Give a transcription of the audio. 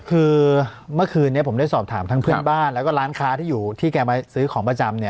คือเมื่อคืนนี้ผมได้สอบถามทั้งเพื่อนบ้านแล้วก็ร้านค้าที่อยู่ที่แกมาซื้อของประจำเนี่ย